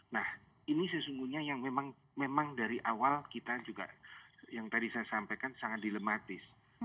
nah ini sesungguhnya yang memang dari awal kita juga yang tadi saya sampaikan sangat dilematis